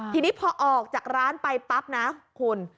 ทีนี้พอออกจากร้านไปปั๊บนะคุณ